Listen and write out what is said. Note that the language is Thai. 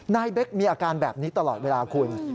เบ๊กมีอาการแบบนี้ตลอดเวลาคุณ